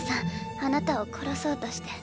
あなたを殺そうとして。